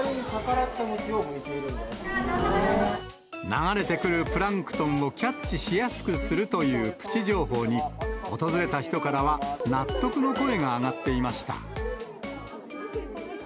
流れてくるプランクトンをキャッチしやすくするというプチ情報に、訪れた人からは納得の声が上がっていました。